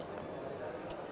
bisa masuk ke dalam ekosistem